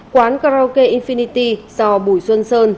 quán krauke infinity do bùi xuân sơn